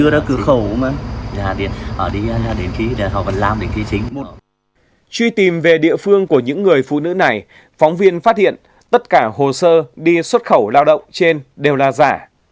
truy tìm về địa phương của những người phụ nữ này phóng viên phát hiện tất cả hồ sơ đi xuất khẩu lao động trên đều là giả